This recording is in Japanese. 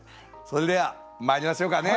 それではまいりましょうかね。